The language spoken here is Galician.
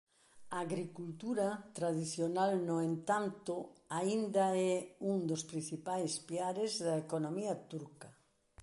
A agricultura tradicional no entanto aínda é un dos principais piares da economía turca.